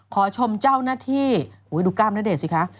ขอชมเจ้าหน้าที่ดูกล้ามณเดชนสิคะ